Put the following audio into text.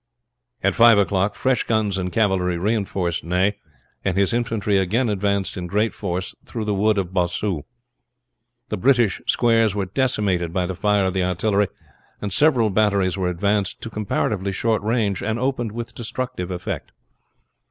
At five o'clock fresh guns and cavalry reinforced Ney, and his infantry again advanced in great force through the wood of Bossu. The British squares were decimated by the fire of the artillery, and several batteries were advanced to comparatively short range, and opened with destructive effect.